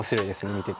見てて。